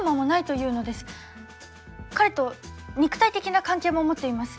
彼と肉体的な関係も持っています。